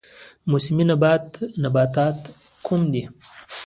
موسمي نباتات کوم دي؟